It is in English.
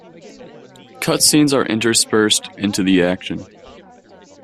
Cut scenes are interspersed into the action.